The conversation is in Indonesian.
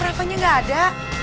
rafa nya gak ada